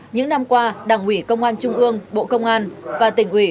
những năm qua đảng ủy công an trung ương bộ công an và tỉnh ủy